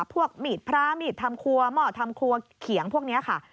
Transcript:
พวกหมีดพระหมีดธรรมครัวหมอดธรรมครัวเขียงพวกนี้ค่ะ